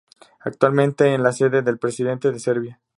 Actualmente es la sede del Presidente de Serbia.